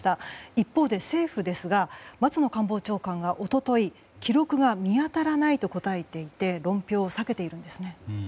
一方で、政府ですが松野官房長官が一昨日記録が見当たらないと答えていて論評を避けているんですね。